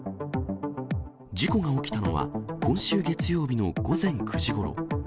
事故が起きたのは今週月曜日の午前９時ごろ。